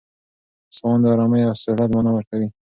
سوان د آرامۍ او سهولت مانا ورکوي.